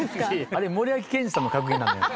あれ森脇健児さんの格言なのよ